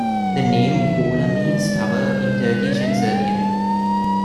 The name "Kula" means "tower" in Turkish and Serbian.